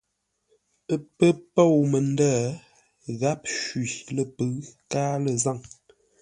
Ə́ pə̂ pôu məndə̂, gháp shwi lə̂ pʉ̌ʉ káa lə̂ zâŋ.